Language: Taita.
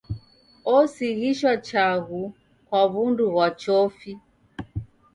Osighishwa chaghu kwa w'undu ghwa chofi.